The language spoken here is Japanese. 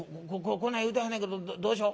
こんな言うてはんねんけどどうしよ？」。